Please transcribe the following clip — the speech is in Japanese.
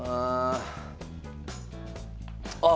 ああ。